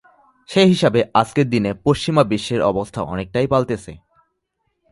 সে হিসেবে আজকের দিনে পশ্চিমা বিশ্বের অবস্থা অনেকটাই পাল্টেছে।